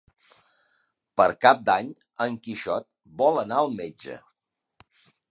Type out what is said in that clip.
Per Cap d'Any en Quixot vol anar al metge.